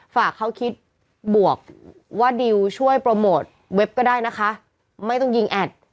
ฝากเขาคิดบวกว่าดิวช่วยโปรโมทเว็บก็ได้นะคะไม่ต้องยิงแอด